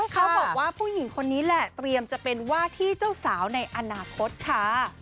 เขาบอกว่าผู้หญิงคนนี้แหละเตรียมจะเป็นว่าที่เจ้าสาวในอนาคตค่ะ